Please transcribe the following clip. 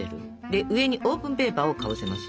で上にオーブンペーパーをかぶせます。